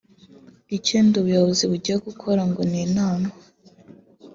Ikindi ubuyobozi bugiye gukora ngo ni inama